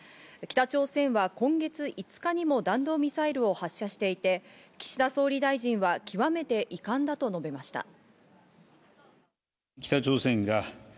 北朝鮮は今月５日にも弾道ミサイルを発射していて、岸田総理大臣は極めて遺憾だと述べました。